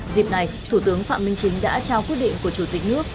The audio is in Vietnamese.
dịp này thủ tướng phạm minh chính đã trao quyết định của chủ tịch nước